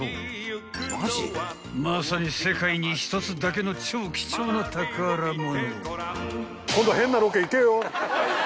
［まさに世界に一つだけの超貴重な宝物］